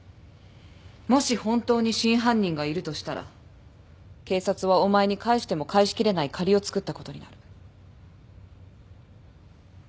もし本当に真犯人がいるとしたら警察はお前に返しても返しきれない借りをつくったことになる。